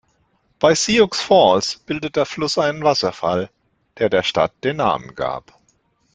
Bei Sioux Falls bildet der Fluss einen Wasserfall, der der Stadt den Namen gab.